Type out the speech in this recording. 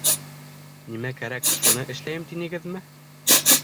Нимә кәрәк, шуны эшләйем, тинегеҙме?